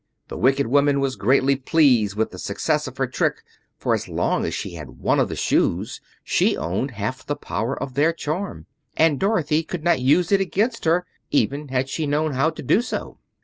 The wicked woman was greatly pleased with the success of her trick, for as long as she had one of the shoes she owned half the power of their charm, and Dorothy could not use it against her, even had she known how to do so.